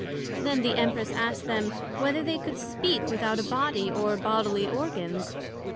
Then the Empress asked them, Whether they could speak without a body, or bodily organs?